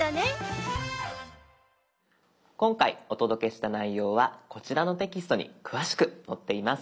今回お届けした内容はこちらのテキストに詳しく載っています。